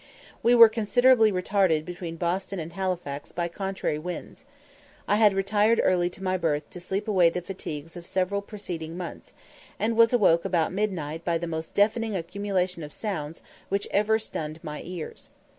We were considerably retarded between Boston and Halifax by contrary winds. I had retired early to my berth to sleep away the fatigues of several preceding months, and was awoke about midnight by the most deafening accumulation of sounds which ever stunned my ears.